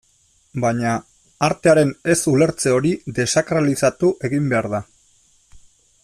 Baina, artearen ez-ulertze hori desakralizatu egin behar da.